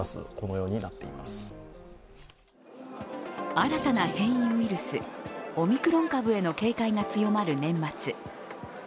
新たな変異ウイルス、オミクロン株への警戒が強まる年末。